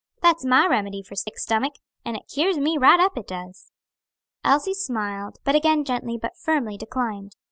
That's my remedy for sick stomic, and it cures me right up, it does." Elsie smiled, but again gently but firmly declined.